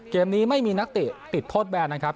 เกมนี้ไม่มีนักเตะติดโทษแบนนะครับ